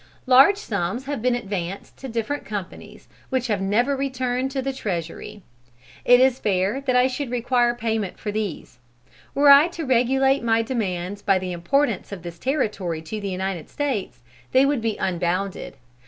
Large sums have been advanced to different companies, which have never returned to the treasury. It is fair that I should require payment for these. Were I to regulate my demands by the importance of this territory to the United States, they would be unbounded.